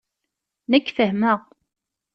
Nekk fehmeɣ.